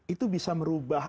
itu bisa merubah